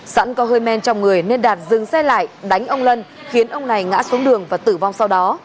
sẵn có hơi men trong người nên đạt dừng xe lại đánh ông lân khiến ông này ngã xuống đường và tử vong sau đó